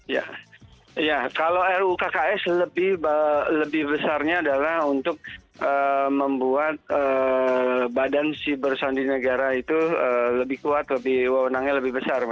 iya kalau ruu kks lebih besarnya adalah untuk membuat badan si bersandi negara itu lebih kuat undangnya lebih besar